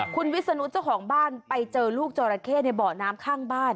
คุณวิศนุเจ้าของบ้านไปเจอลูกจอราเข้ในเบาะน้ำข้างบ้าน